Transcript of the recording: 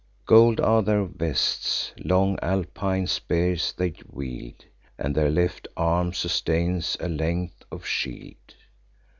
Gold are their vests; long Alpine spears they wield, And their left arm sustains a length of shield.